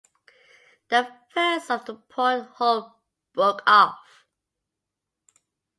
The first of the port hull broke off.